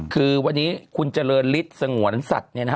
คือวันนี้คุณเจริญฤทธิ์สงวรรณศัตริย์เนี่ยนะครับ